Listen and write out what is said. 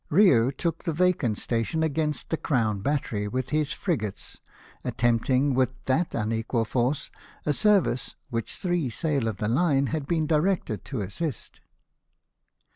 Kiou took the vacant station against the Crown Battery, with his frigates, attempting, with that unequal force, a service in which three sail of the line had been directed to assist.